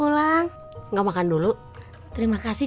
lagi apa sih